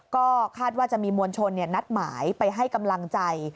ก็คาดว่าจะมีมวลชนนัดหมายไปให้กำลังใจ